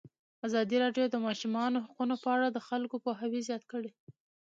ازادي راډیو د د ماشومانو حقونه په اړه د خلکو پوهاوی زیات کړی.